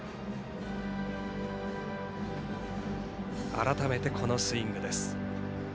改めて、このスイングです。